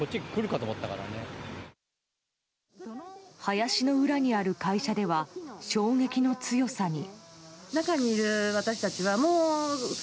林の裏にある会社では衝撃の強さに。